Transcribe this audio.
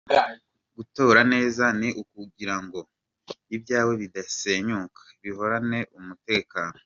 Gutora neza ni ukugira ngo ibyawe bidasenyuka, bihorane umutekano.